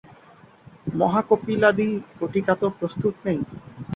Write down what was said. মহাকপিলাদি বটিকাতো প্রস্তুত নেই।